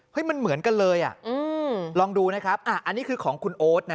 มันเหมือนกันเลยอ่ะลองดูนะครับอันนี้คือของคุณโอ๊ตนะ